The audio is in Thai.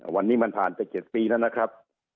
วันนี้มันผ่านไป๗ปีแล้วนะครับ